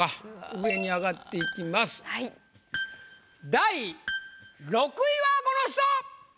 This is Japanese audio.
第６位はこの人！